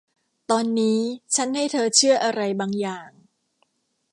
ตอนนี้ชั้นให้เธอเชื่ออะไรบางอย่าง